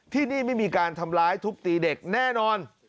ที่นี่ไม่มีการทำร้ายทุบตีเด็กแน่นอน